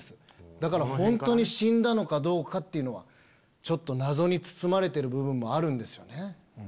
だからホントに死んだのかどうかっていうのはちょっと謎に包まれてる部分もあるんですよね。